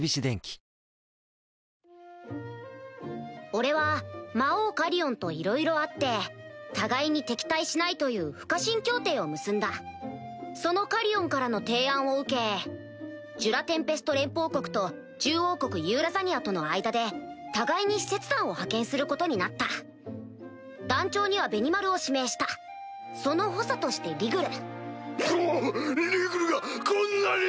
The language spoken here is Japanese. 俺は魔王カリオンといろいろあって互いに敵対しないという不可侵協定を結んだそのカリオンからの提案を受けジュラ・テンペスト連邦国と獣王国ユーラザニアとの間で互いに使節団を派遣することになった団長にはベニマルを指名したその補佐としてリグルうぅリグルがこんな立派に！